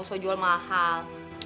soal jual mahal